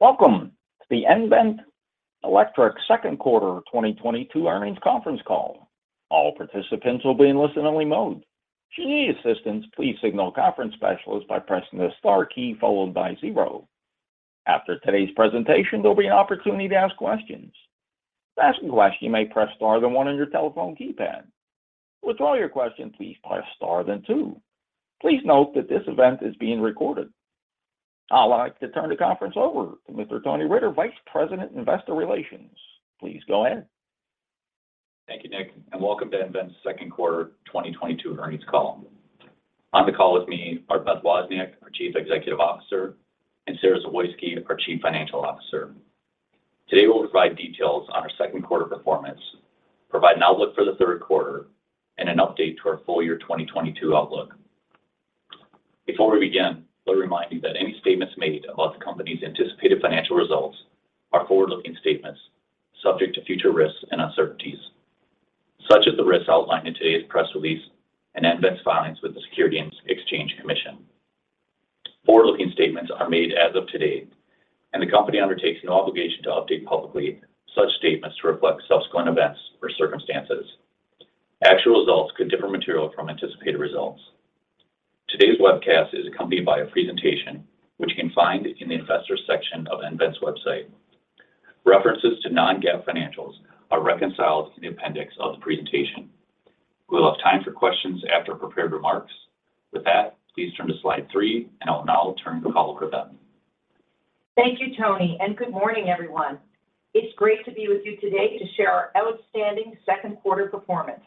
Welcome to the nVent Electric second quarter 2022 earnings conference call. All participants will be in listen-only mode. If you need assistance, please signal a conference specialist by pressing the star key followed by zero. After today's presentation, there'll be an opportunity to ask questions. To ask a question, you may press star then one on your telephone keypad. To withdraw your question, please press star then two. Please note that this event is being recorded. I'd like to turn the conference over to Mr. Tony Riter, Vice President, Investor Relations. Please go ahead. Thank you, Nick, and welcome to nVent's second quarter 2022 earnings call. On the call with me are Beth Wozniak, our Chief Executive Officer, and Sara Zawoyski, our Chief Financial Officer. Today, we'll provide details on our second quarter performance, provide an outlook for the third quarter, and an update to our full-year 2022 outlook. Before we begin, let me remind you that any statements made about the company's anticipated financial results are forward-looking statements subject to future risks and uncertainties, such as the risks outlined in today's press release and nVent's filings with the Securities and Exchange Commission. Forward-looking statements are made as of today, and the company undertakes no obligation to update publicly such statements to reflect subsequent events or circumstances. Actual results could differ materially from anticipated results. Today's webcast is accompanied by a presentation, which you can find in the Investors section of nVent's website. References to non-GAAP financials are reconciled in the appendix of the presentation. We will have time for questions after prepared remarks. With that, please turn to slide three, and I will now turn the call over to Beth. Thank you, Tony, and good morning, everyone. It's great to be with you today to share our outstanding second quarter performance.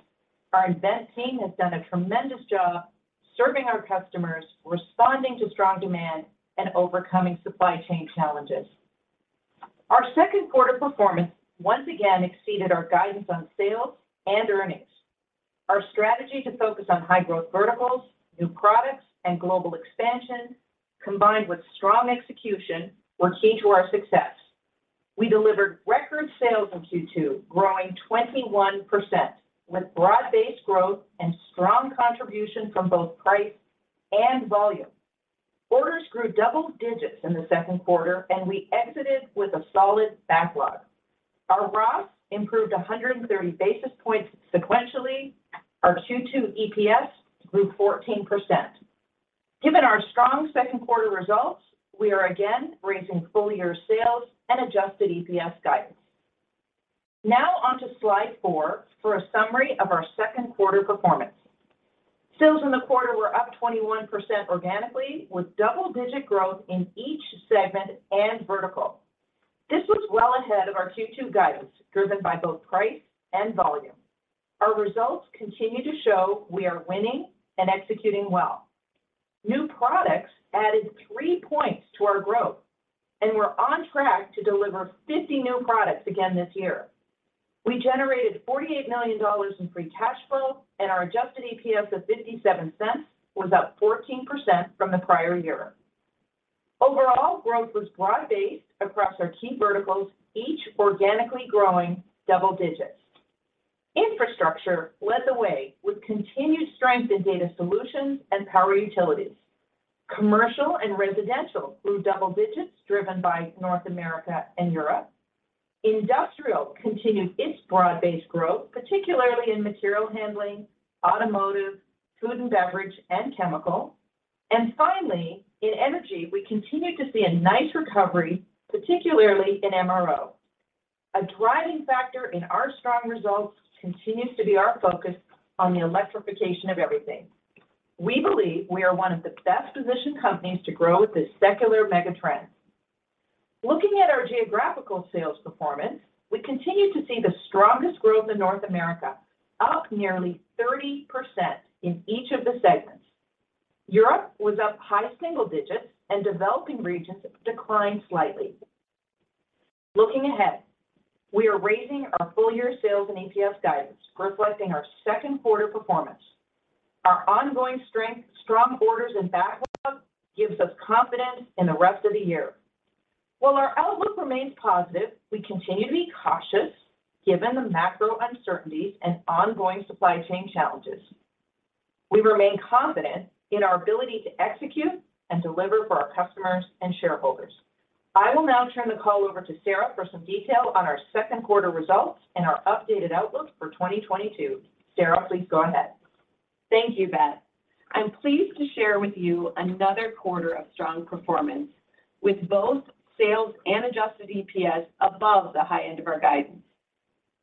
Our nVent team has done a tremendous job serving our customers, responding to strong demand, and overcoming supply chain challenges. Our second quarter performance once again exceeded our guidance on sales and earnings. Our strategy to focus on high-growth verticals, new products, and global expansion, combined with strong execution, were key to our success. We delivered record sales in Q2, growing 21%, with broad-based growth and strong contribution from both price and volume. Orders grew double digits in the second quarter, and we exited with a solid backlog. Our gross improved 130 basis points sequentially. Our Q2 EPS grew 14%. Given our strong second quarter results, we are again raising full-year sales and adjusted EPS guidance. Now on to slide four for a summary of our second quarter performance. Sales in the quarter were up 21% organically, with double-digit growth in each segment and vertical. This was well ahead of our Q2 guidance, driven by both price and volume. Our results continue to show we are winning and executing well. New products added three points to our growth, and we're on track to deliver 50 new products again this year. We generated $48 million in free cash flow, and our adjusted EPS of $0.57 was up 14% from the prior year. Overall, growth was broad-based across our key verticals, each organically growing double digits. Infrastructure led the way with continued strength in data solutions and power utilities. Commercial and residential grew double digits, driven by North America and Europe. Industrial continued its broad-based growth, particularly in material handling, automotive, food and beverage, and chemical. Finally, in energy, we continued to see a nice recovery, particularly in MRO. A driving factor in our strong results continues to be our focus on the electrification of everything. We believe we are one of the best-positioned companies to grow with this secular mega-trend. Looking at our geographical sales performance, we continue to see the strongest growth in North America, up nearly 30% in each of the segments. Europe was up high single digits%, and developing regions declined slightly. Looking ahead, we are raising our full-year sales and EPS guidance, reflecting our second quarter performance. Our ongoing strength, strong orders, and backlog gives us confidence in the rest of the year. While our outlook remains positive, we continue to be cautious given the macro uncertainties and ongoing supply chain challenges. We remain confident in our ability to execute and deliver for our customers and shareholders. I will now turn the call over to Sara for some detail on our second quarter results and our updated outlook for 2022. Sara, please go ahead. Thank you, Beth. I'm pleased to share with you another quarter of strong performance with both sales and adjusted EPS above the high-end of our guidance.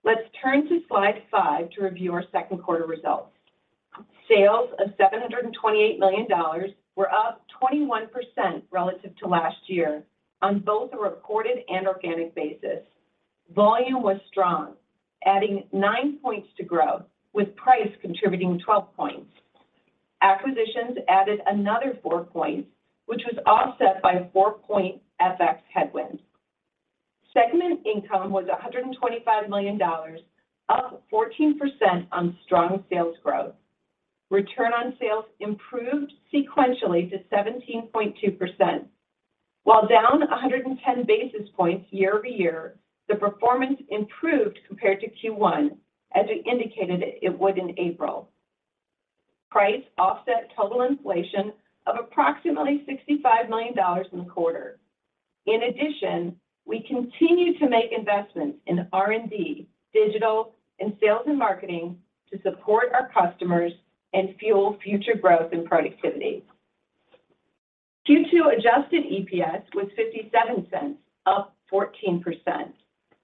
Let's turn to slide 5 to review our second quarter results. Sales of $728 million were up 21% relative to last year on both a reported and organic basis. Volume was strong, adding nine points to growth, with price contributing 12 points. Acquisitions added another four points, which was offset by four-point FX headwinds. Segment income was $125 million, up 14% on strong sales growth. Return on sales improved sequentially to 17.2%. While down 110 basis points year-over-year, the performance improved compared to Q1, as we indicated it would in April. Price offset total inflation of approximately $65 million in the quarter. In addition, we continue to make investments in R&D, digital, and sales and marketing to support our customers and fuel future growth and productivity. Q2 adjusted EPS was $0.57, up 14%.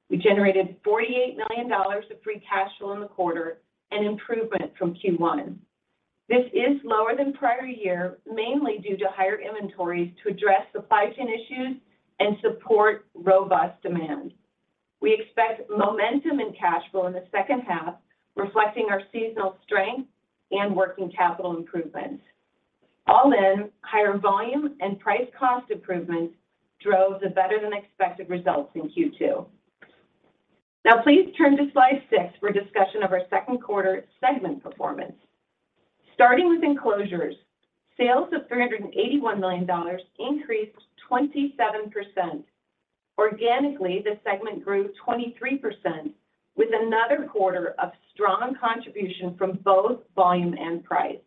We generated $48 million of free cash flow in the quarter, an improvement from Q1. This is lower than prior year, mainly due to higher inventories to address supply chain issues and support robust demand. We expect momentum in cash flow in the second half, reflecting our seasonal strength and working capital improvements. All in, higher volume and price cost improvements drove the better-than-expected results in Q2. Now please turn to slide six for a discussion of our second quarter segment performance. Starting with Enclosures, sales of $381 million increased 27%. Organically, the segment grew 23% with another quarter of strong contribution from both volume and price.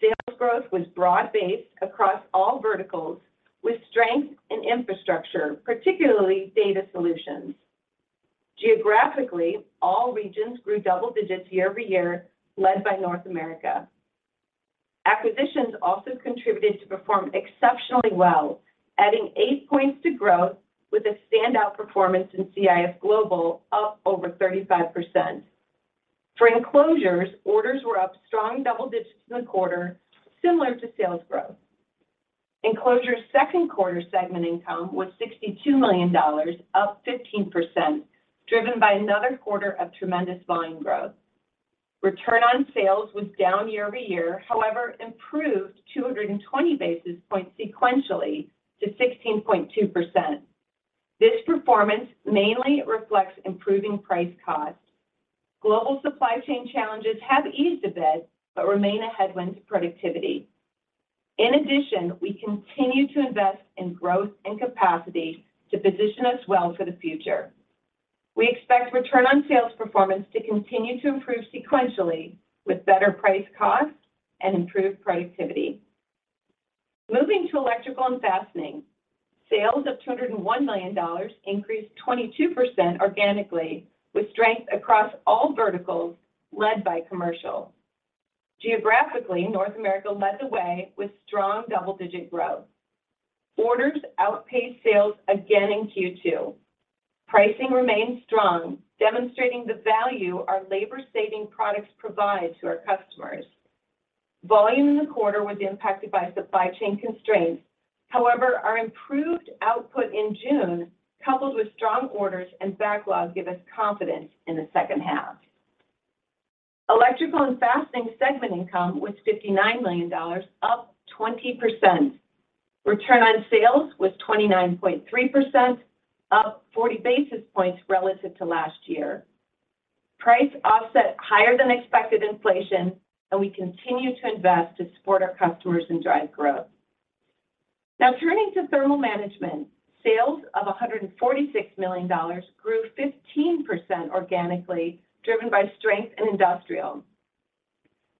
Sales growth was broad-based across all verticals with strength in infrastructure, particularly data solutions. Geographically, all regions grew double digits year-over-year led by North America. Acquisitions also contributed to performance exceptionally well, adding eight points to growth with a standout performance in CIS Global up over 35%. For Enclosures, orders were up strong double digits in the quarter, similar to sales growth. Enclosures second quarter segment income was $62 million, up 15%, driven by another quarter of tremendous volume growth. Return on sales was down year-over-year, however, improved 220 basis points sequentially to 16.2%. This performance mainly reflects improving price-cost. Global supply chain challenges have eased a bit, but remain a headwind to productivity. In addition, we continue to invest in growth and capacity to position us well for the future. We expect return on sales performance to continue to improve sequentially with better price-costs and improved productivity. Moving to Electrical and Fastening, sales of $201 million increased 22% organically with strength across all verticals led by commercial. Geographically, North America led the way with strong double-digit growth. Orders outpaced sales again in Q2. Pricing remained strong, demonstrating the value our labor-saving products provide to our customers. Volume in the quarter was impacted by supply chain constraints. However, our improved output in June, coupled with strong orders and backlogs, give us confidence in the second half. Electrical and Fastening segment income was $59 million, up 20%. Return on sales was 29.3%, up 40 basis points relative to last year. Price offset higher than expected inflation, and we continue to invest to support our customers and drive growth. Now turning to Thermal Management, sales of $146 million grew 15% organically, driven by strength in industrial.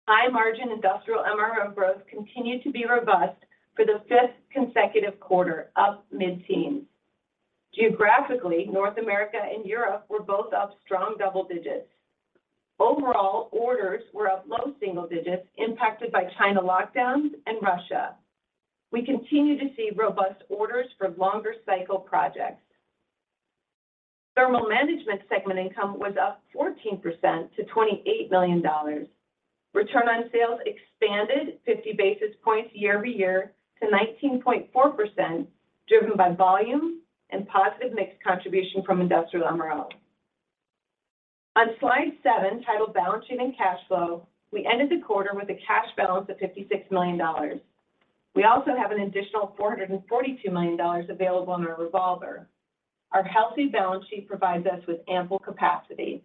High margin industrial MRO growth continued to be robust for the fifth consecutive quarter, up mid-teens. Geographically, North America and Europe were both up strong double digits. Overall, orders were up low single digits, impacted by China lockdowns and Russia. We continue to see robust orders for longer cycle projects. Thermal Management segment income was up 14% to $28 million. Return on sales expanded 50 basis points year-over-year to 19.4%, driven by volume and positive mix contribution from industrial MRO. On slide seven, titled Balance Sheet and Cash Flow, we ended the quarter with a cash balance of $56 million. We also have an additional $442 million available in our revolver. Our healthy balance sheet provides us with ample capacity.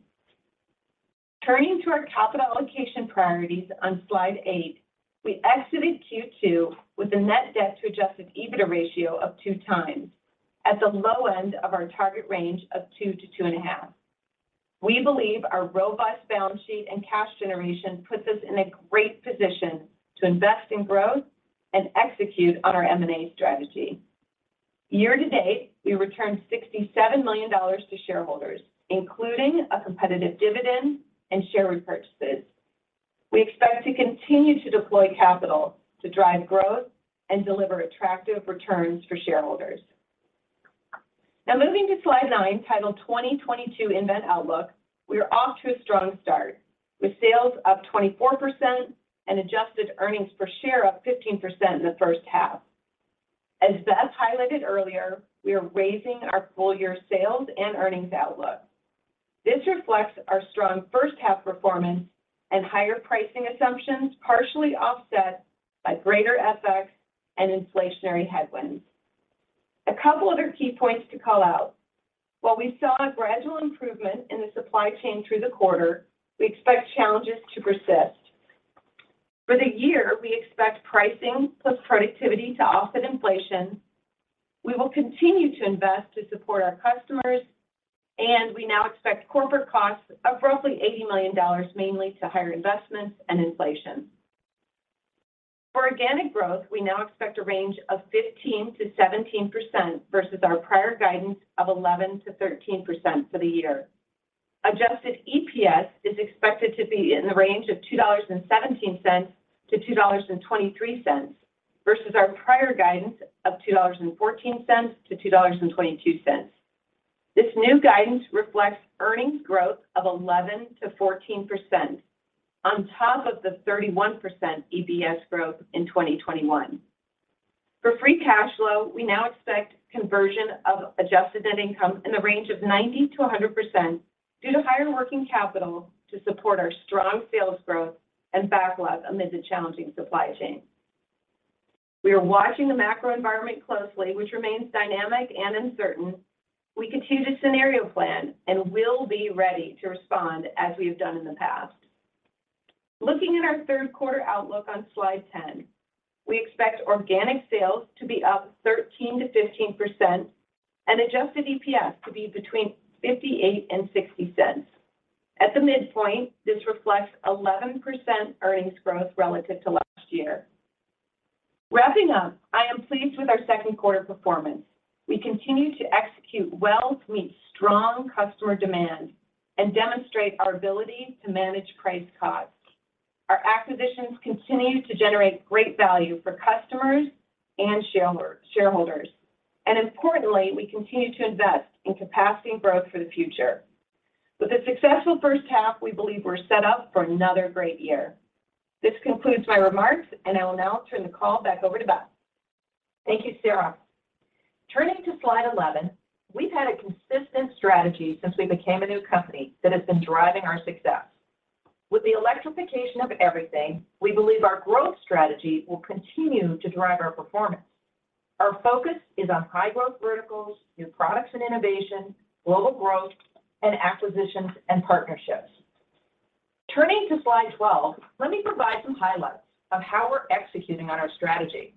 Turning to our capital allocation priorities on slide eight, we exited Q2 with a net debt to adjusted EBITDA ratio of 2x at the low end of our target range of 2-2.5. We believe our robust balance sheet and cash generation puts us in a great position to invest in growth and execute on our M&A strategy. Year-to-date, we returned $67 million to shareholders, including a competitive dividend and share repurchases. We expect to continue to deploy capital to drive growth and deliver attractive returns for shareholders. Now moving to slide nine, titled 2022 nVent Outlook, we are off to a strong start with sales up 24% and adjusted earnings per share up 15% in the first half. As Beth highlighted earlier, we are raising our full-year sales and earnings outlook. This reflects our strong first half performance and higher pricing assumptions, partially offset by greater FX and inflationary headwinds. A couple other key points to call out. While we saw a gradual improvement in the supply chain through the quarter, we expect challenges to persist. For the year, we expect pricing plus productivity to offset inflation. We will continue to invest to support our customers, and we now expect corporate costs of roughly $80 million, mainly due to higher investments and inflation. For organic growth, we now expect a range of 15%-17% versus our prior guidance of 11%-13% for the year. Adjusted EPS is expected to be in the range of $2.17-$2.23 versus our prior guidance of $2.14-$2.22. This new guidance reflects earnings growth of 11%-14% on top of the 31% EPS growth in 2021. For free cash flow, we now expect conversion of adjusted net income in the range of 90%-100% due to higher working capital to support our strong sales growth and backlog amid the challenging supply chain. We are watching the macro environment closely, which remains dynamic and uncertain. We continue to scenario plan and will be ready to respond as we have done in the past. Looking at our third quarter outlook on slide 10, we expect organic sales to be up 13%-15% and adjusted EPS to be between $0.58 and $0.60. At the midpoint, this reflects 11% earnings growth relative to last year. Wrapping up, I am pleased with our second quarter performance. We continue to execute well to meet strong customer demand and demonstrate our ability to manage price costs. Our acquisitions continue to generate great value for customers and shareholders, and importantly, we continue to invest in capacity and growth for the future. With a successful first half, we believe we're set up for another great year. This concludes my remarks, and I will now turn the call back over to Beth. Thank you, Sara. Turning to slide 11, we've had a consistent strategy since we became a new company that has been driving our success. With the electrification of everything, we believe our growth strategy will continue to drive our performance. Our focus is on high growth verticals, new products and innovation, global growth, and acquisitions and partnerships. Turning to slide 12, let me provide some highlights of how we're executing on our strategy.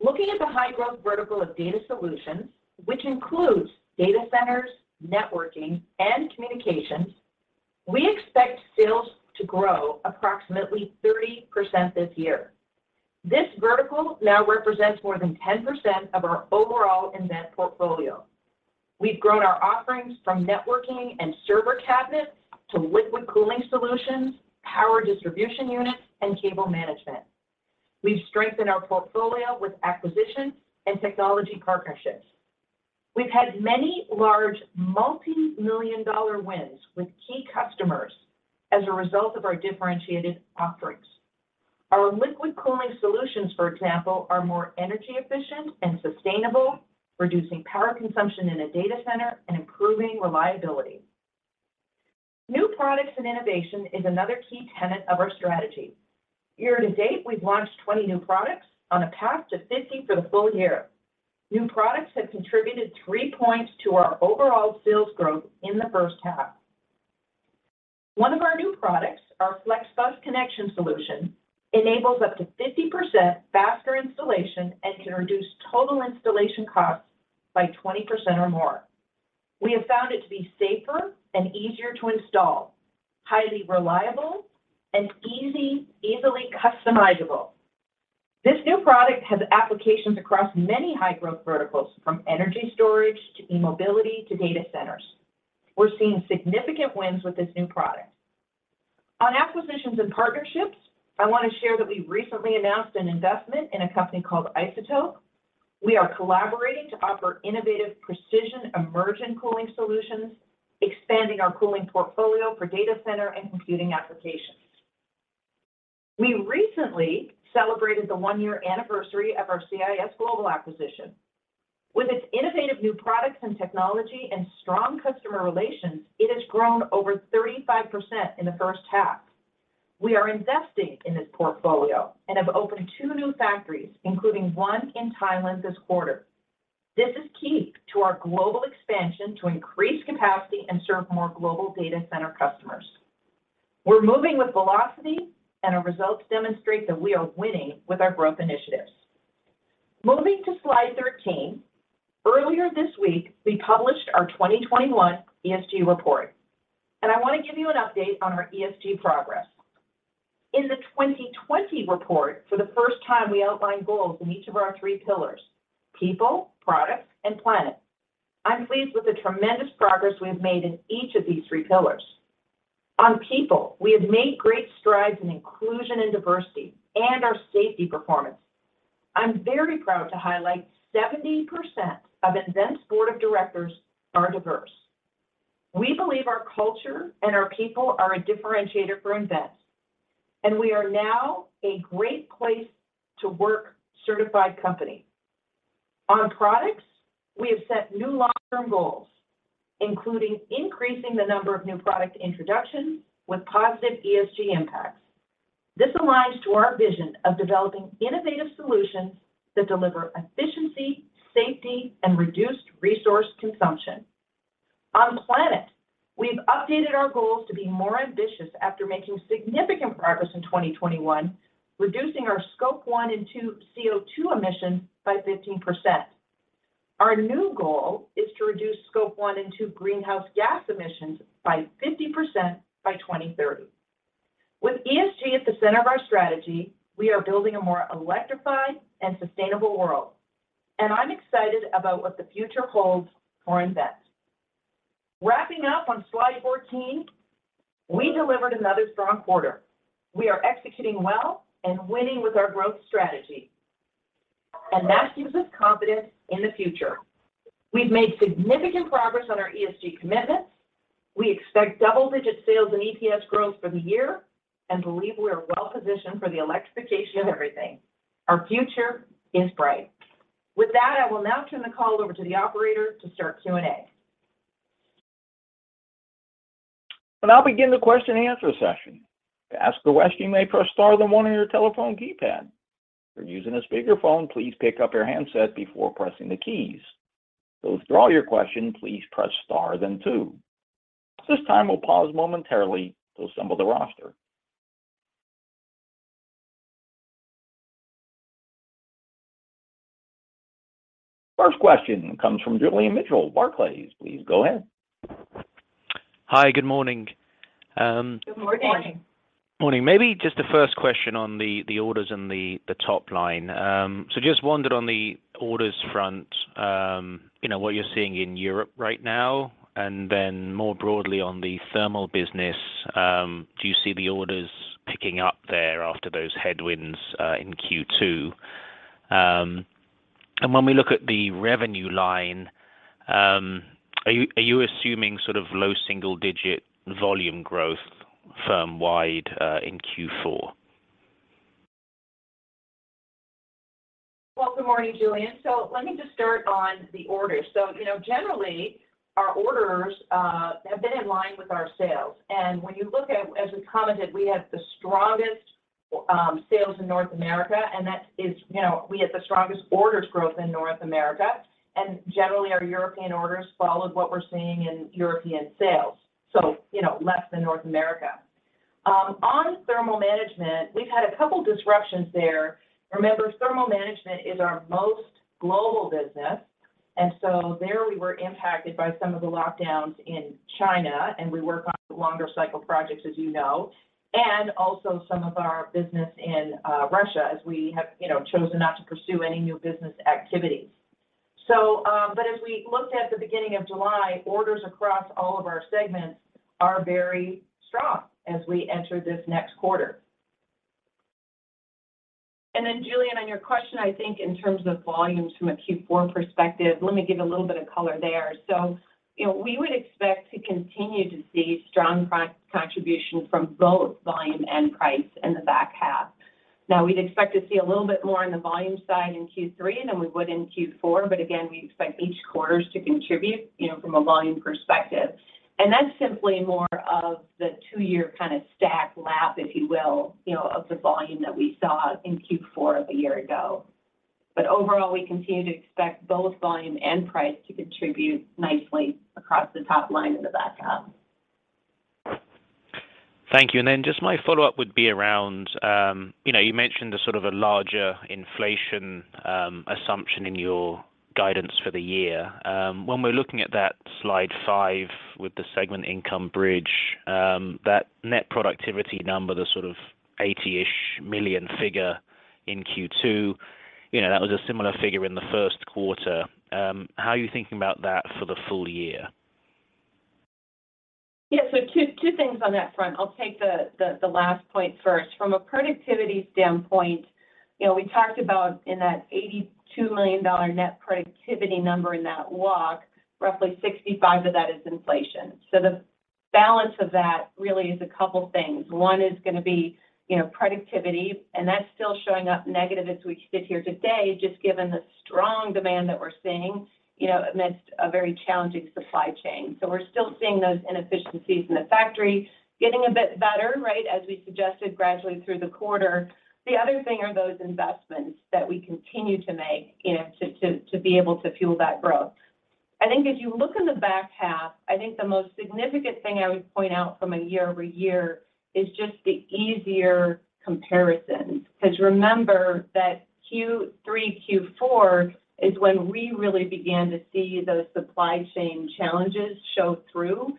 Looking at the high growth vertical of data solutions, which includes data centers, networking, and communications, we expect sales to grow approximately 30% this year. This vertical now represents more than 10% of our overall nVent portfolio. We've grown our offerings from networking and server cabinets to liquid cooling solutions, power distribution units, and cable management. We've strengthened our portfolio with acquisitions and technology partnerships. We've had many large multi-million dollar wins with key customers as a result of our differentiated offerings. Our liquid cooling solutions, for example, are more energy efficient and sustainable, reducing power consumption in a data center and improving reliability. New products and innovation is another key tenet of our strategy. Year-to-date, we've launched 20 new products on a path to 50 for the full-year. New products have contributed three points to our overall sales growth in the first half. One of our new products, our Flexibar connection solution, enables up to 50% faster installation and can reduce total installation costs by 20% or more. We have found it to be safer and easier to install, highly reliable, and easily customizable. This new product has applications across many high growth verticals from energy storage, to e-mobility, to data centers. We're seeing significant wins with this new product. On acquisitions and partnerships, I want to share that we recently announced an investment in a company called Iceotope. We are collaborating to offer innovative precision immersion cooling solutions, expanding our cooling portfolio for data center and computing applications. We recently celebrated the one-year anniversary of our CIS Global acquisition. With its innovative new products and technology and strong customer relations, it has grown over 35% in the first half. We are investing in this portfolio and have opened two new factories, including one in Thailand this quarter. This is key to our global expansion to increase capacity and serve more global data center customers. We're moving with velocity, and our results demonstrate that we are winning with our growth initiatives. Moving to slide 13, earlier this week, we published our 2021 ESG report, and I want to give you an update on our ESG progress. In the 2020 report, for the first time, we outlined goals in each of our three pillars. People, products, and planet. I'm pleased with the tremendous progress we have made in each of these three pillars. On people, we have made great strides in inclusion and diversity and our safety performance. I'm very proud to highlight 70% of nVent's board of directors are diverse. We believe our culture and our people are a differentiator for nVent, and we are now a Great Place to Work certified company. On products, we have set new long-term goals, including increasing the number of new product introductions with positive ESG impacts. This aligns to our vision of developing innovative solutions that deliver efficiency, safety, and reduced resource consumption. On plan, we've updated our goals to be more ambitious after making significant progress in 2021, reducing our Scope 1 and 2 CO2 emissions by 15%. Our new goal is to reduce Scope 1 and 2 greenhouse gas emissions by 50% by 2030. With ESG at the center of our strategy, we are building a more electrified and sustainable world, and I'm excited about what the future holds for nVent. Wrapping up on slide 14, we delivered another strong quarter. We are executing well and winning with our growth strategy, and that gives us confidence in the future. We've made significant progress on our ESG commitments. We expect double-digit sales and EPS growth for the year, and believe we are well positioned for the electrification of everything. Our future is bright. With that, I will now turn the call over to the operator to start Q&A. I'll begin the question and answer session. To ask a question, you may press star then one on your telephone keypad. If you're using a speakerphone, please pick up your handset before pressing the keys. To withdraw your question, please press star then two. At this time, we'll pause momentarily to assemble the roster. First question comes from Julian Mitchell, Barclays. Please go ahead. Hi. Good morning. Good morning. Morning. Maybe just the first question on the orders and the top line. So just wondered on the orders front, you know, what you're seeing in Europe right now, and then more broadly on the Thermal business, do you see the orders picking up there after those headwinds in Q2? And when we look at the revenue line, are you assuming sort of low single digit volume growth firm-wide in Q4? Well, good morning, Julian. Let me just start on the orders. You know, generally, our orders have been in line with our sales. As we commented, we had the strongest sales in North America, and that is, you know, we had the strongest orders growth in North America. Generally, our European orders followed what we're seeing in European sales, so, you know, less than North America. On Thermal Management, we've had a couple disruptions there. Remember, Thermal Management is our most global business, and so there we were impacted by some of the lockdowns in China, and we work on longer cycle projects, as you know. Also some of our business in Russia, as we have, you know, chosen not to pursue any new business activities. As we looked at the beginning of July, orders across all of our segments are very strong as we enter this next quarter. And then Julian, on your question, I think in terms of volumes from a Q4 perspective, let me give a little bit of color there. You know, we would expect to continue to see strong contribution from both volume and price in the back half. Now, we'd expect to see a little bit more on the volume side in Q3 than we would in Q4, but again, we expect each quarters to contribute, you know, from a volume perspective. That's simply more of the two-year kind of stacked lap, if you will, you know, of the volume that we saw in Q4 of a year ago. Overall, we continue to expect both volume and price to contribute nicely across the top line in the back half. Thank you. Just my follow-up would be around, you know, you mentioned the sort of a larger inflation assumption in your guidance for the year. When we're looking at that slide five with the segment income bridge, that net productivity number, the sort of $80-ish million figure in Q2, you know, that was a similar figure in the first quarter. How are you thinking about that for the full-year? Yeah. Two things on that front. I'll take the last point first. From a productivity standpoint, you know, we talked about in that $82 million net productivity number in that walk, roughly $65 million of that is inflation. The balance of that really is a couple things. One is gonna be, you know, productivity, and that's still showing up negative as we sit here today, just given the strong demand that we're seeing, you know, amidst a very challenging supply chain. We're still seeing those inefficiencies in the factory getting a bit better, right, as we suggested gradually through the quarter. The other thing are those investments that we continue to make, you know, to be able to fuel that growth. I think if you look in the back half, I think the most significant thing I would point out from a year-over-year is just the easier comparisons. Because remember that Q3, Q4 is when we really began to see those supply chain challenges show through,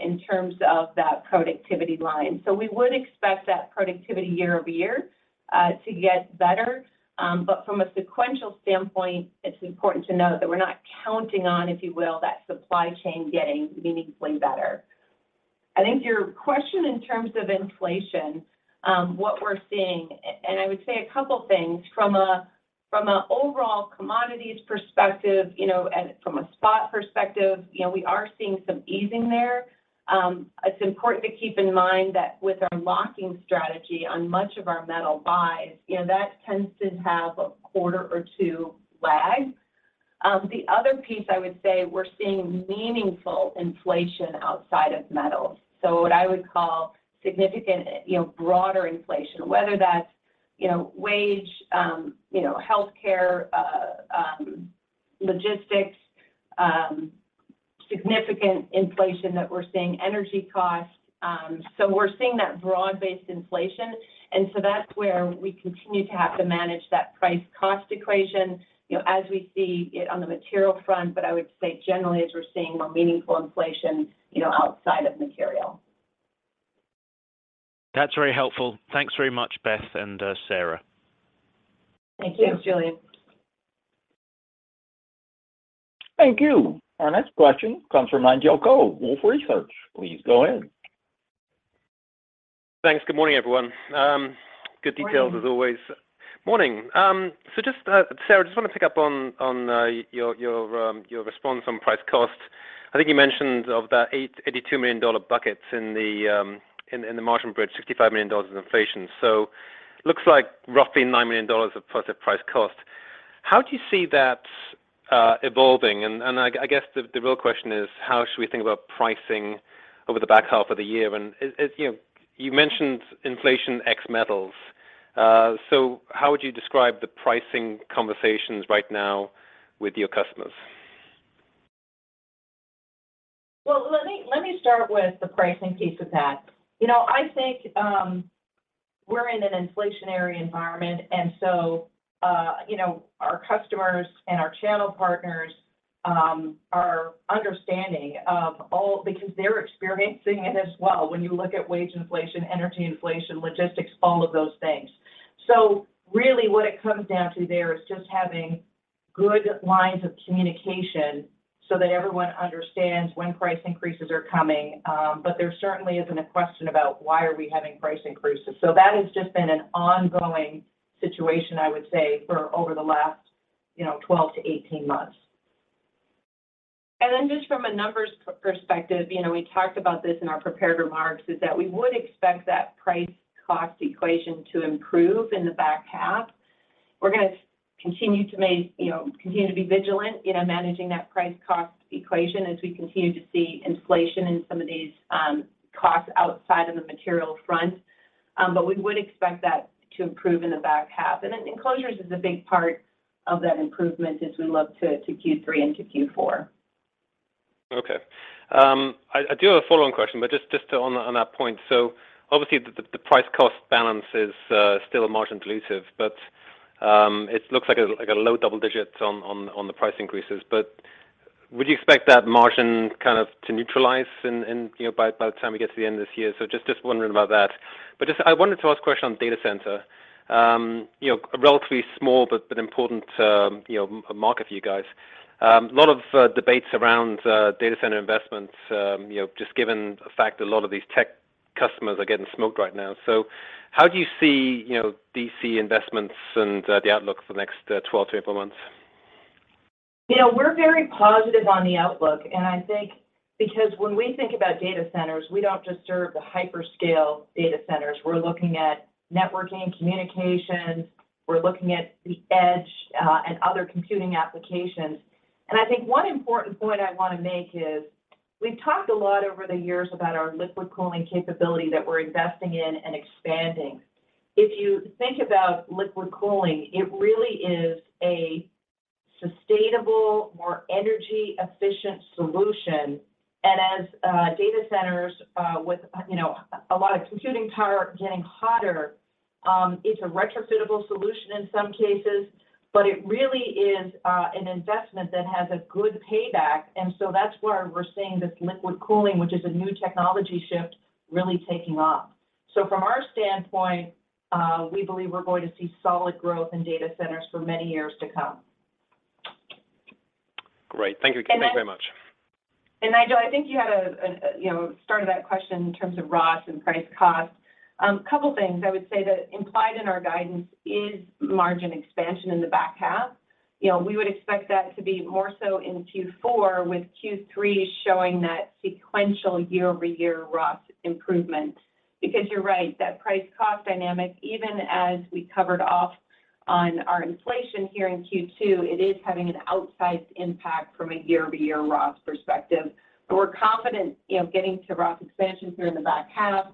in terms of that productivity line. We would expect that productivity year-over-year to get better. From a sequential standpoint, it's important to note that we're not counting on, if you will, that supply chain getting meaningfully better. I think your question in terms of inflation, what we're seeing, and I would say a couple things. From a overall commodities perspective, you know, and from a spot perspective, you know, we are seeing some easing there. It's important to keep in mind that with our locking strategy on much of our metal buys, you know, that tends to have a quarter or two lag. The other piece I would say, we're seeing meaningful inflation outside of metals, so what I would call significant, you know, broader inflation, whether that's you know, wage, you know, healthcare, logistics, significant inflation that we're seeing, energy costs. We're seeing that broad-based inflation. That's where we continue to have to manage that price cost equation, you know, as we see it on the material front. I would say generally as we're seeing more meaningful inflation, you know, outside of material. That's very helpful. Thanks very much, Beth and Sara. Thank you. Thanks, Julian. Thank you. Our next question comes from Nigel Coe, Wolfe Research. Please go in. Thanks. Good morning, everyone. Good details as always. Morning. Morning. Just, Sara, I just wanna pick up on your response on price cost. I think you mentioned of the $82 million buckets in the margin bridge, $65 million in inflation. Looks like roughly $9 million of positive price cost. How do you see that evolving? I guess the real question is how should we think about pricing over the back half of the year? As you know, you mentioned inflation ex metals. How would you describe the pricing conversations right now with your customers? Well, let me start with the pricing piece of that. You know, I think we're in an inflationary environment, and so you know, our customers and our channel partners are understanding of all because they're experiencing it as well when you look at wage inflation, energy inflation, logistics, all of those things. Really what it comes down to there is just having good lines of communication so that everyone understands when price increases are coming. But there certainly isn't a question about why are we having price increases. That has just been an ongoing situation, I would say, for over the last, you know, 12-18 months. Then just from a numbers perspective, you know, we talked about this in our prepared remarks, is that we would expect that price cost equation to improve in the back half. We're gonna continue to you know, continue to be vigilant in our managing that price cost equation as we continue to see inflation in some of these, costs outside of the material front. But we would expect that to improve in the back half. Then Enclosures is a big part of that improvement as we look to Q3 and to Q4. Okay. I do have a follow-on question, but just on that point. Obviously the price cost balance is still margin dilutive, but it looks like a low double digits on the price increases. Would you expect that margin kind of to neutralize by the time we get to the end of this year? Just wondering about that. I just wanted to ask a question on data center. You know, a relatively small but important market for you guys. A lot of debates around data center investments just given the fact a lot of these tech customers are getting smoked right now. How do you see, you know, DC investments and the outlook for the next 12-18 months? You know, we're very positive on the outlook, and I think because when we think about data centers, we don't just serve the hyperscale data centers. We're looking at networking, communications. We're looking at the edge, and other computing applications. I think one important point I wanna make is we've talked a lot over the years about our liquid cooling capability that we're investing in and expanding. If you think about liquid cooling, it really is a sustainable, more energy efficient solution. As data centers with, you know, a lot of computing power getting hotter, it's a retrofittable solution in some cases, but it really is an investment that has a good payback. That's where we're seeing this liquid cooling, which is a new technology shift, really taking off. From our standpoint, we believe we're going to see solid growth in data centers for many years to come. Great. Thank you. Thank you very much. Nigel, I think you had a you know started that question in terms of ROS and price-cost. Couple things I would say that implied in our guidance is margin expansion in the back half. You know, we would expect that to be more so in Q4 with Q3 showing that sequential year-over-year ROS improvement because you're right, that price-cost dynamic, even as we covered off on our inflation here in Q2, it is having an outsized impact from a year-over-year ROS perspective. We're confident, you know, getting to ROS expansion here in the back half,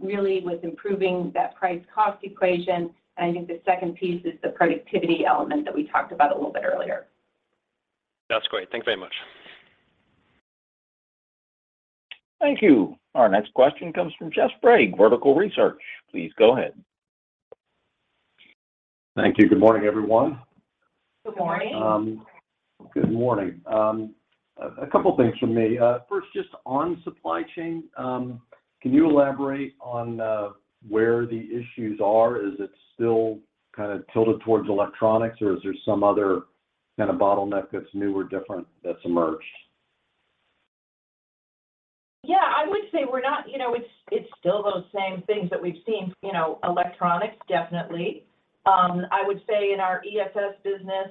really with improving that price-cost equation. I think the second piece is the productivity element that we talked about a little bit earlier. That's great. Thank you very much. Thank you. Our next question comes from Jeff Sprague, Vertical Research Partners. Please go ahead. Thank you. Good morning, everyone. Good morning. Good morning. A couple things from me. First just on supply chain, can you elaborate on where the issues are? Is it still kind of tilted towards electronics or is there some other kind of bottleneck that's new or different that's emerged? You know, it's still those same things that we've seen. You know, electronics definitely. I would say in our EFS business,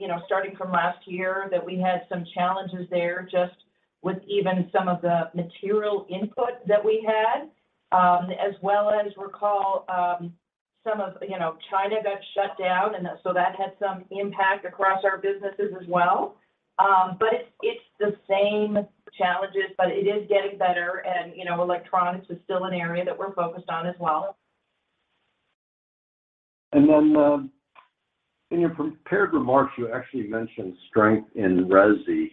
you know, starting from last year that we had some challenges there just with even some of the material input that we had, as well as recall, some of, you know, China got shut down and so that had some impact across our businesses as well. It's the same challenges, but it is getting better and, you know, electronics is still an area that we're focused on as well. In your prepared remarks, you actually mentioned strength in resi.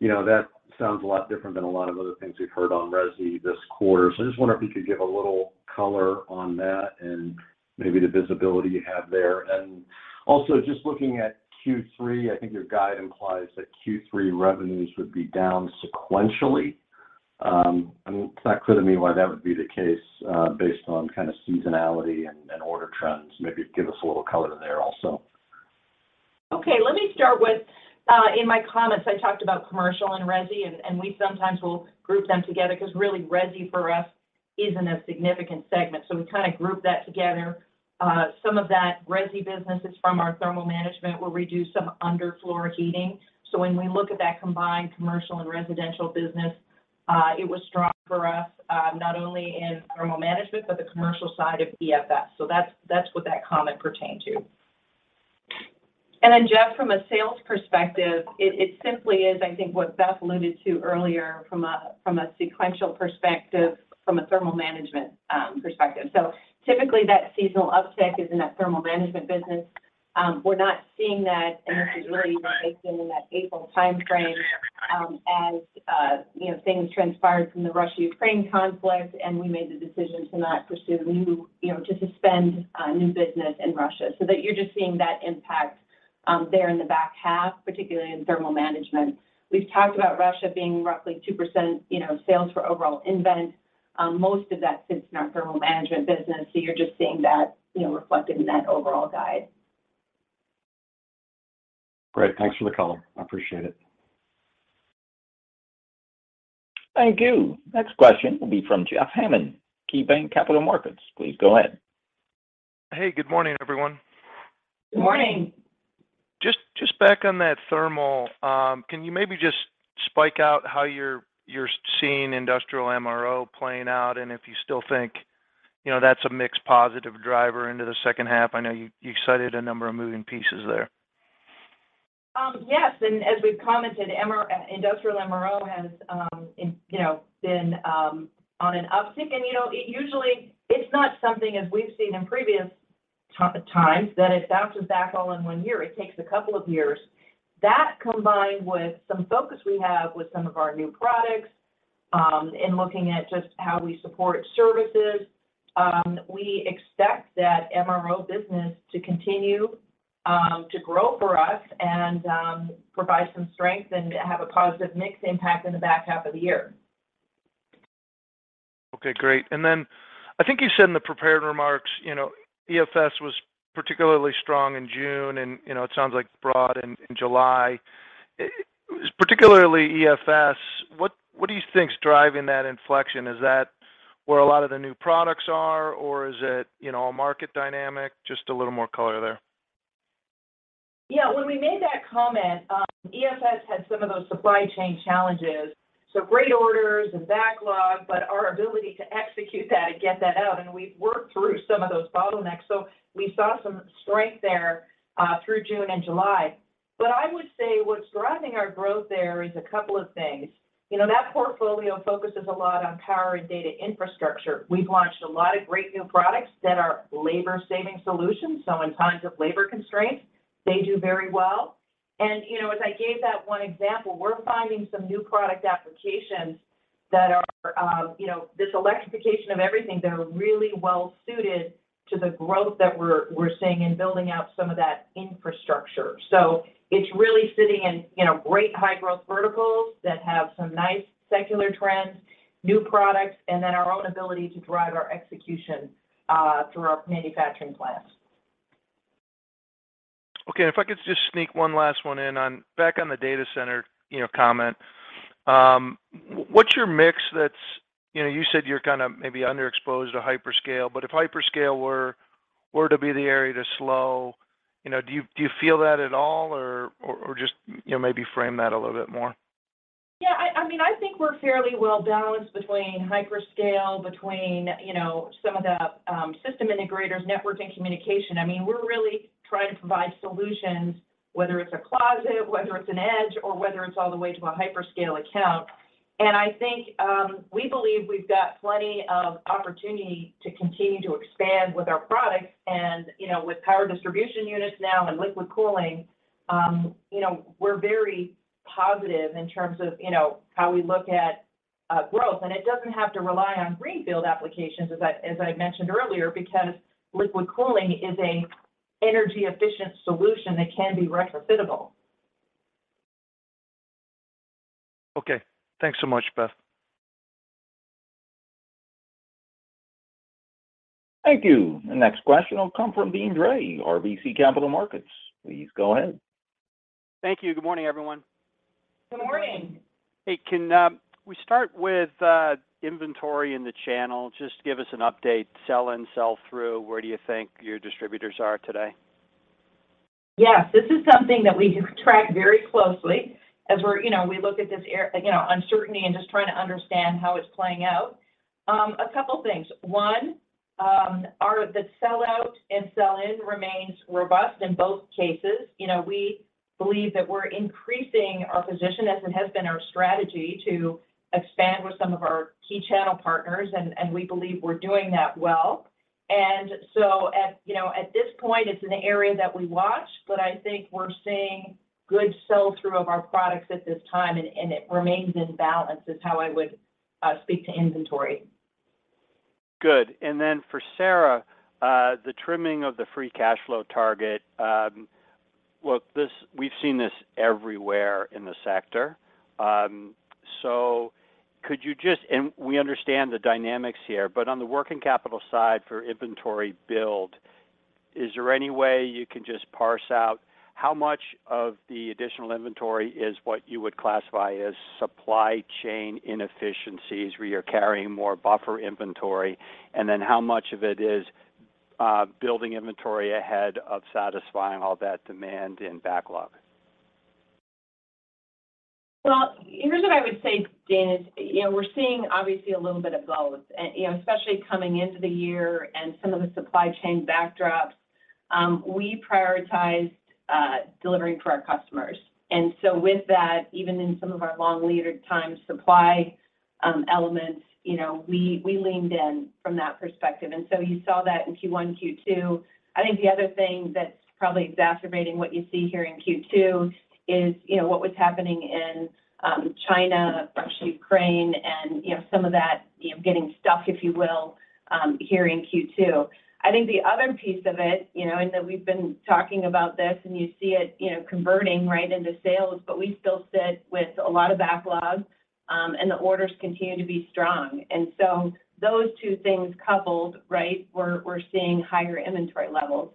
You know, that sounds a lot different than a lot of other things we've heard on resi this quarter. I just wonder if you could give a little color on that and maybe the visibility you have there. Just looking at Q3, I think your guide implies that Q3 revenues would be down sequentially. I mean, it's not clear to me why that would be the case, based on kind of seasonality and order trends. Maybe give us a little color there also. Okay. Let me start with, in my comments, I talked about commercial and resi, and we sometimes will group them together because really resi for us isn't a significant segment, so we kind of group that together. Some of that resi business is from our Thermal Management where we do some underfloor heating. When we look at that combined commercial and residential business, it was strong for us, not only in Thermal Management, but the commercial side of EFS. That's what that comment pertained to. Jeff, from a sales perspective, it simply is, I think, what Beth alluded to earlier from a sequential perspective, from a Thermal Management perspective. Typically that seasonal uptick is in that Thermal Management business. We're not seeing that, and this is really what's taken in that April timeframe, as you know, things transpired from the Russia-Ukraine conflict, and we made the decision to suspend new business in Russia. That you're just seeing that impact there in the back half, particularly in Thermal Management. We've talked about Russia being roughly 2% sales for overall nVent. Most of that sits in our Thermal Management business, so you're just seeing that reflected in that overall guide. Great. Thanks for the color. I appreciate it. Thank you. Next question will be from Jeff Hammond, KeyBanc Capital Markets. Please go ahead. Hey, good morning, everyone. Good morning. Just back on that Thermal, can you maybe just spell out how you're seeing industrial MRO playing out, and if you still think, you know, that's a mixed positive driver into the second half? I know you cited a number of moving pieces there. Yes, as we've commented, industrial MRO has, you know, been on an uptick. You know, it's not something as we've seen in previous times that it bounces back all in one year. It takes a couple of years. That combined with some focus we have with some of our new products, in looking at just how we support services, we expect that MRO business to continue to grow for us and provide some strength and have a positive mix impact in the back half of the year. Okay, great. I think you said in the prepared remarks, you know, EFS was particularly strong in June and, you know, it sounds like broad in July. It was particularly EFS. What do you think is driving that inflection? Is that where a lot of the new products are or is it, you know, a market dynamic? Just a little more color there. Yeah. When we made that comment, EFS had some of those supply chain challenges, so great orders and backlog, but our ability to execute that and get that out, and we've worked through some of those bottlenecks. We saw some strength there through June and July. I would say what's driving our growth there is a couple of things. You know, that portfolio focuses a lot on power and data infrastructure. We've launched a lot of great new products that are labor saving solutions, so in times of labor constraints, they do very well. You know, as I gave that one example, we're finding some new product applications that are, you know, this electrification of everything that are really well suited to the growth that we're seeing in building out some of that infrastructure. It's really sitting in, you know, great high growth verticals that have some nice secular trends, new products, and then our own ability to drive our execution through our manufacturing plants. Okay. If I could just sneak one last one in back on the data center, you know, comment. What's your mix? You know, you said you're kind of maybe underexposed to hyperscale, but if hyperscale were to be the area to slow, you know, do you feel that at all or just, you know, maybe frame that a little bit more? Yeah, I mean, I think we're fairly well balanced between hyperscale, you know, some of the system integrators, network and communication. I mean, we're really trying to provide solutions, whether it's a closet, whether it's an edge, or whether it's all the way to a hyperscale account. I think we believe we've got plenty of opportunity to continue to expand with our products and, you know, with power distribution units now and liquid cooling, you know, we're very positive in terms of, you know, how we look at growth. It doesn't have to rely on greenfield applications as I mentioned earlier, because liquid cooling is a energy efficient solution that can be retrofittable. Okay. Thanks so much, Beth. Thank you. The next question will come from Deane Dray, RBC Capital Markets. Please go ahead. Thank you. Good morning, everyone. Good morning. Hey, can we start with inventory in the channel? Just give us an update, sell in, sell through. Where do you think your distributors are today? Yes. This is something that we track very closely as we're, you know, we look at this, you know, uncertainty and just trying to understand how it's playing out. A couple things. One, the sell out and sell in remains robust in both cases. You know, we believe that we're increasing our position as it has been our strategy to expand with some of our key channel partners, and we believe we're doing that well. At, you know, at this point, it's an area that we watch, but I think we're seeing good sell-through of our products at this time, and it remains in balance is how I would speak to inventory. Good. Then for Sara, the trimming of the free cash flow target, look, this we've seen this everywhere in the sector. We understand the dynamics here, but on the working capital side for inventory build, is there any way you can just parse out how much of the additional inventory is what you would classify as supply chain inefficiencies, where you're carrying more buffer inventory, and then how much of it is building inventory ahead of satisfying all that demand and backlog? Well, here's what I would say, Deane, is, you know, we're seeing obviously a little bit of both. You know, especially coming into the year and some of the supply chain backdrops, we prioritized delivering for our customers. With that, even in some of our long lead time supply elements, you know, we leaned in from that perspective. You saw that in Q1, Q2. I think the other thing that's probably exacerbating what you see here in Q2 is, you know, what was happening in China, Russia, Ukraine, and, you know, some of that getting stuck, if you will, here in Q2. I think the other piece of it, you know, in that we've been talking about this, and you see it, you know, converting right into sales, but we still sit with a lot of backlog, and the orders continue to be strong. Those two things coupled, right, we're seeing higher inventory levels.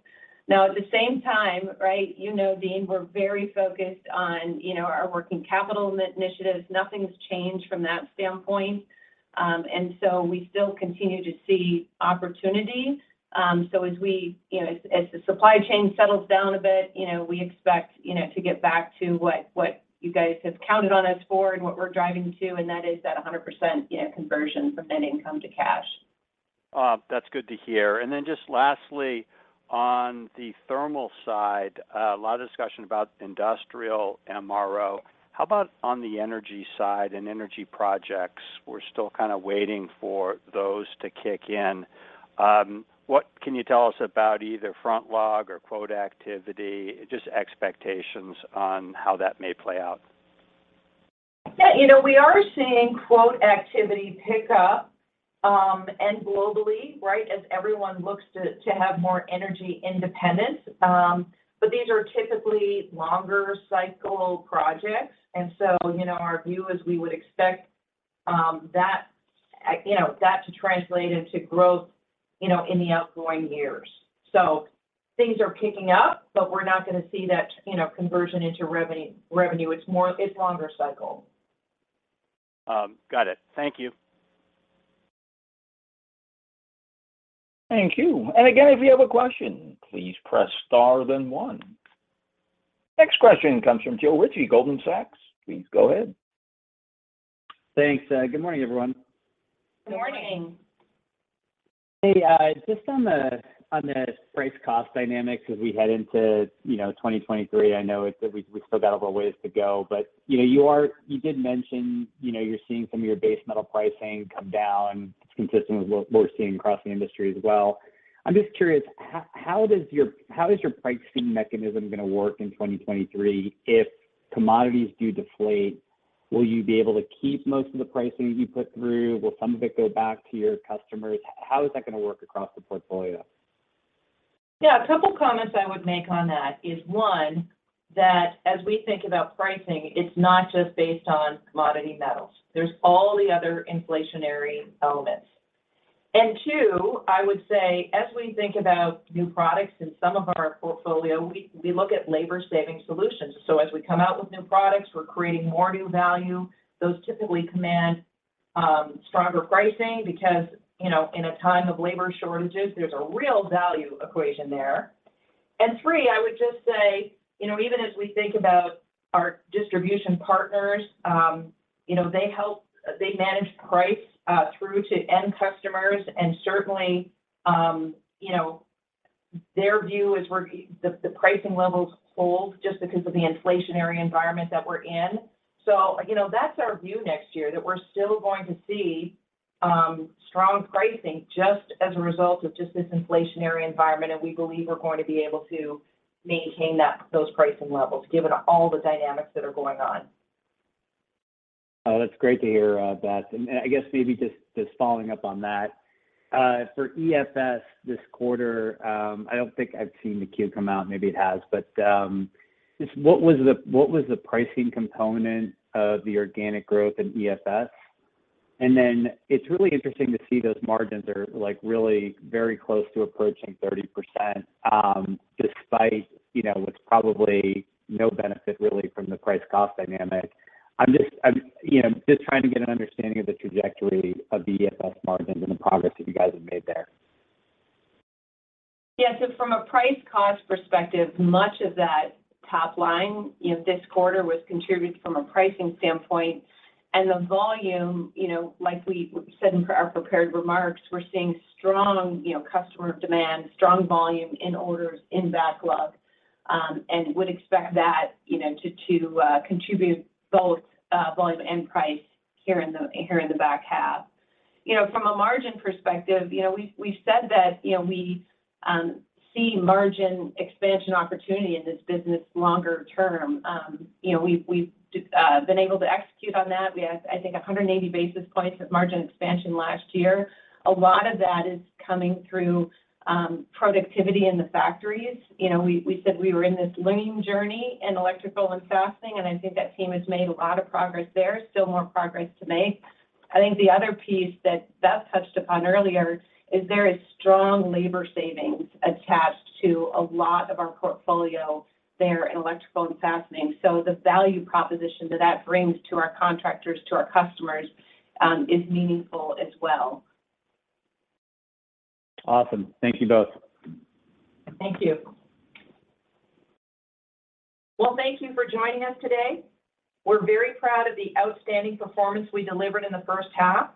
Now, at the same time, right, you know, Deane, we're very focused on, you know, our working capital initiatives. Nothing's changed from that standpoint. We still continue to see opportunities. So as the supply chain settles down a bit, you know, we expect, you know, to get back to what you guys have counted on us for and what we're driving to, and that is 100% conversion from net income to cash. That's good to hear. Just lastly, on the Thermal side, a lot of discussion about industrial MRO. How about on the energy side and energy projects? We're still kinda waiting for those to kick in. What can you tell us about either front log or quote activity? Just expectations on how that may play out. Yeah, you know, we are seeing quote activity pick up, and globally, right, as everyone looks to have more energy independence. These are typically longer-cycle projects. You know, our view is we would expect that, you know, that to translate into growth, you know, in the outlying years. Things are picking up, but we're not gonna see that, you know, conversion into revenue. It's more. It's longer cycle. Got it. Thank you. Thank you. Again, if you have a question, please press star then one. Next question comes from Joe Ritchie, Goldman Sachs. Please go ahead. Thanks. Good morning, everyone. Good morning. Good morning. Hey, just on the price cost dynamics as we head into, you know, 2023, I know we still got a little ways to go, but, you know, you did mention, you know, you're seeing some of your base metal pricing come down. It's consistent with what we're seeing across the industry as well. I'm just curious, how does your pricing mechanism gonna work in 2023 if commodities do deflate? Will you be able to keep most of the pricing you put through? Will some of it go back to your customers? How is that gonna work across the portfolio? Yeah. A couple comments I would make on that is, one, that as we think about pricing, it's not just based on commodity metals. There's all the other inflationary elements. Two, I would say, as we think about new products in some of our portfolio, we look at labor-saving solutions. So as we come out with new products, we're creating more new value. Those typically command stronger pricing because, you know, in a time of labor shortages, there's a real value equation there. Three, I would just say, you know, even as we think about our distribution partners, they help. They manage price through to end customers. Certainly, you know, their view is the pricing levels hold just because of the inflationary environment that we're in. You know, that's our view next year, that we're still going to see strong pricing just as a result of just this inflationary environment, and we believe we're going to be able to maintain those pricing levels given all the dynamics that are going on. Oh, that's great to hear, Beth. I guess maybe just following up on that. For EFS this quarter, I don't think I've seen the Q come out, maybe it has. Just what was the pricing component of the organic growth in EFS? Then it's really interesting to see those margins are, like, really very close to approaching 30%, despite, you know, what's probably no benefit really from the price-cost dynamic. I'm just trying to get an understanding of the trajectory of the EFS margins and the progress that you guys have made there. Yeah. From a price cost perspective, much of that top line, you know, this quarter was contributed from a pricing standpoint. The volume, you know, like we said in our prepared remarks, we're seeing strong, you know, customer demand, strong volume in orders in backlog, and would expect that, you know, to contribute both volume and price here in the back half. You know, from a margin perspective, you know, we said that, you know, we see margin expansion opportunity in this business longer term. You know, we've been able to execute on that. We had, I think, 180 basis points of margin expansion last year. A lot of that is coming through productivity in the factories. You know, we said we were in this lean journey in Electrical and Fastening, and I think that team has made a lot of progress there. Still more progress to make. I think the other piece that Beth touched upon earlier is there is strong labor savings attached to a lot of our portfolio there in Electrical and Fastening. The value proposition that that brings to our contractors, to our customers, is meaningful as well. Awesome. Thank you both. Thank you. Well, thank you for joining us today. We're very proud of the outstanding performance we delivered in the first half.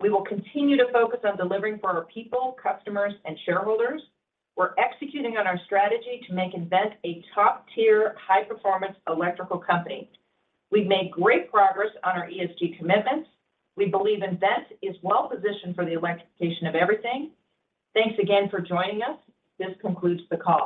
We will continue to focus on delivering for our people, customers, and shareholders. We're executing on our strategy to make nVent a top-tier high-performance electrical company. We've made great progress on our ESG commitments. We believe nVent is well positioned for the electrification of everything. Thanks again for joining us. This concludes the call.